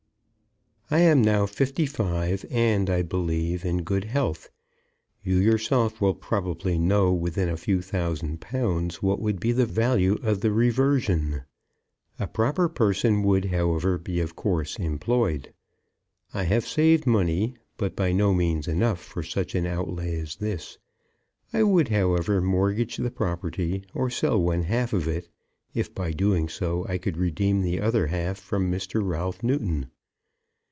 I am now fifty five, and, I believe, in good health. You yourself will probably know within a few thousand pounds what would be the value of the reversion. A proper person would, however, be of course employed. I have saved money, but by no means enough for such an outlay as this. I would, however, mortgage the property or sell one half of it, if by doing so I could redeem the other half from Mr. Ralph Newton.